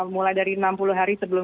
mulai dari enam puluh hari sebelum